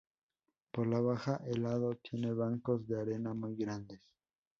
Por la baja el lago tiene bancos de arena muy grandes.